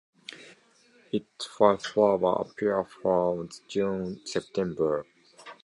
Its white flowers appear from June to September.